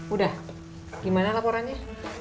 udah gimana laporannya